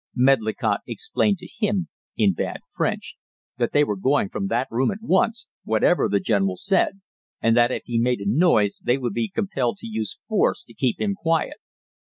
Medlicott explained to him (in bad French) that they were going from that room at once, whatever the general said, and that if he made a noise, they would be compelled to use force to keep him quiet.